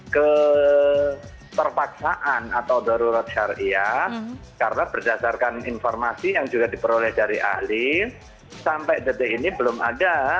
keterpaksaan atau darurat syariah karena berdasarkan informasi yang juga diperoleh dari ahli sampai detik ini belum ada